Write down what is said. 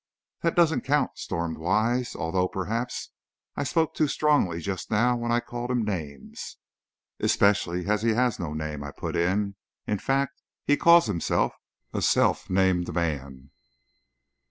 "That doesn't count," stormed Wise; "although, perhaps, I spoke too strongly just now when I called him names!" "Especially as he has no name!" I put in; "in fact, he calls himself a self named man!"